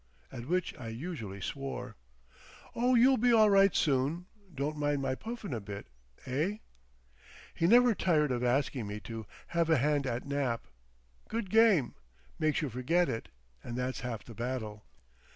At which I usually swore. "Oh, you'll be all right soon. Don't mind my puffin' a bit? Eh?" He never tired of asking me to "have a hand at Nap. Good game. Makes you forget it, and that's half the battle."